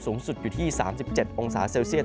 สูงสุดอยู่ที่๓๗องศาเซลเซียต